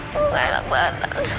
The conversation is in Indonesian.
bu ngelak banget